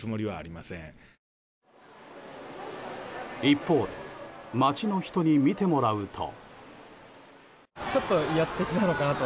一方で街の人に見てもらうと。